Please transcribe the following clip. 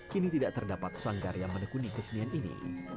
kini tidak terdapat sanggar yang menekuni kesenian ini